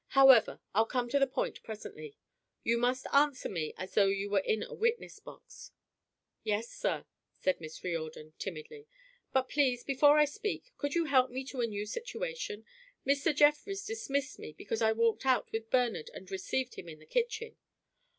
"However, I'll come to the point presently. You must answer me as though you were in a witness box." "Yes, sir," said Miss Riordan, timidly. "But, please, before I speak, could you help me to a new situation? Mr. Jefferies dismissed me because I walked out with Bernard and received him in the kitchen."